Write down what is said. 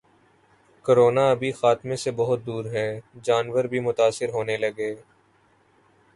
’corona ابھی خاتمے سے بہت دور ہے‘ جانور بھی متاثر ہونے لگے